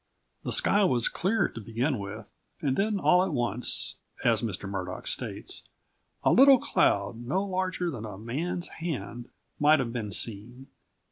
The sky was clear to begin with, and then all at once, as Mr. Murdock states, a little cloud no larger than a man's hand might have been seen.